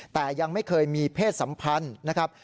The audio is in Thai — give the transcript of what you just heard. แต่ยังไม่เคยมีเพศสัมพันธ์นะครับ